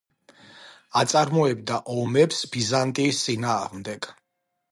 აწარმოებდა ომებს ბიზანტიის წინააღმდეგ.